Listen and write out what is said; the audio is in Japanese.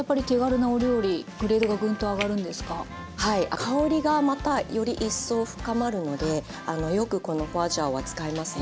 香りがまたより一層深まるのでよくこの花椒は使いますね。